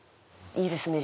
いいですね。